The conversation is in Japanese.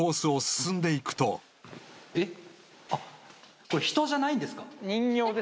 あっこれ人じゃないんですか？